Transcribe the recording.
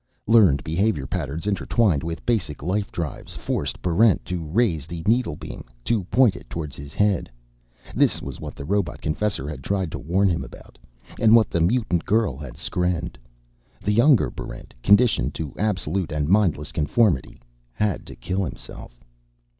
Learned behavior patterns intertwined with basic life drives forced Barrent to raise the needlebeam, to point it toward his head. This was what the robot confessor had tried to warn him about, and what the mutant girl had skrenned. The younger Barrent, conditioned to absolute and mindless conformity, had to kill himself.